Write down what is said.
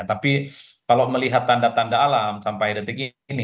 tapi kalau melihat tanda tanda alam sampai detik ini